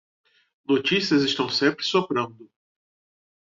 Notícias estão sempre soprando